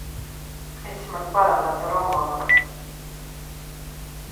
Esi man parādā par omāru.